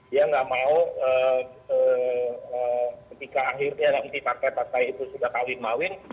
dia nggak mau ketika akhirnya nanti partai partai itu sudah kawin mawin